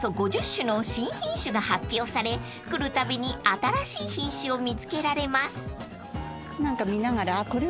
５０種の新品種が発表され来るたびに新しい品種を見つけられます］